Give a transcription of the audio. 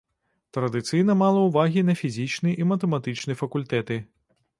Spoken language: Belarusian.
Традыцыйна мала ўвагі на фізічны і матэматычны факультэты.